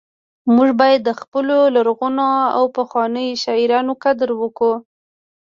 موږ باید د خپلو لرغونو او پخوانیو شاعرانو قدر وکړو